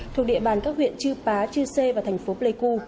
thuộc địa bàn các huyện chư pá chư sê và thành phố pleiku